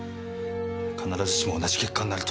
必ずしも同じ結果になるとは。